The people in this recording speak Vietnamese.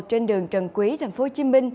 trên đường trần quý tp hcm